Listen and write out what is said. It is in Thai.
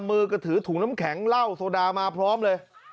มือก็ถือถุงน้ำแข็งเหล้าโซดามาพร้อมเลย